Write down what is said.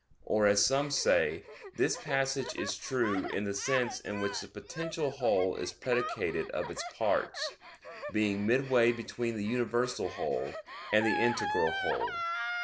Or, as some say, this passage is true in the sense in which the potential whole is predicated of its parts, being midway between the universal whole, and the integral whole.